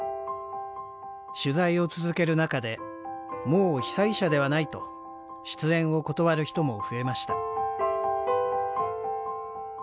取材を続ける中でもう「被災者」ではないと出演を断る人も増えました